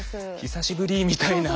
「久しぶり」みたいな。